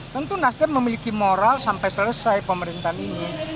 tentu nasdem memiliki moral sampai selesai pemerintahan ini